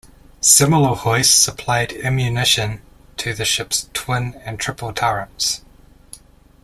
Similar hoists supplied ammunition to the ships' twin and triple turrets.